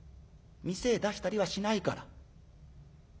店へ出したりはしないから。